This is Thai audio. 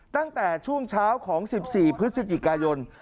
ตั้งแต่ช่วงเช้าของ๑๔พฤศจิกายน